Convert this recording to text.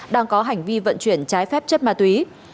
đang có hành vi vận chuyển trái phép chất ma túy